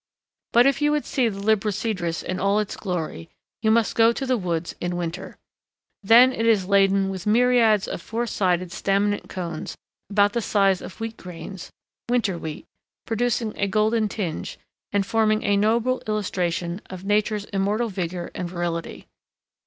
But if you would see the Libocedrus in all its glory, you must go to the woods in winter. Then it is laden with myriads of four sided staminate cones about the size of wheat grains,—winter wheat,—producing a golden tinge, and forming a noble illustration of Nature's immortal vigor and virility.